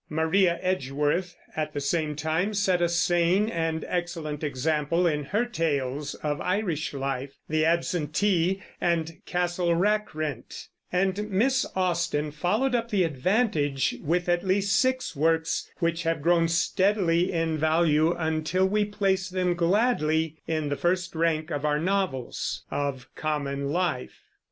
Maria Edgeworth, at the same time, set a sane and excellent example in her tales of Irish life, The Absentee and Castle Rackrent; and Miss Austen followed up the advantage with at least six works, which have grown steadily in value until we place them gladly in the first rank of our novels of common life.